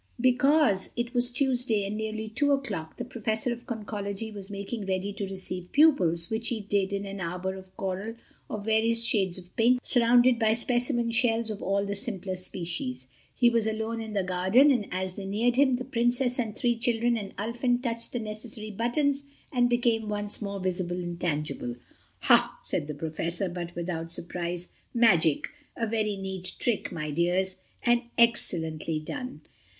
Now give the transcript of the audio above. Because it was Tuesday and nearly two o'clock, the Professor of Conchology was making ready to receive pupils, which he did in an arbor of coral of various shades of pink, surrounded by specimen shells of all the simpler species. He was alone in the garden, and as they neared him, the Princess, the three children and Ulfin touched the necessary buttons and became once more visible and tangible. "Ha," said the Professor, but without surprise. "Magic. A very neat trick, my dears, and excellently done."